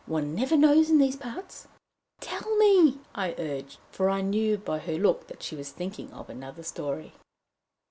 One never knows in these parts." "Tell me!" I urged; for I knew by her look that she was thinking of another story.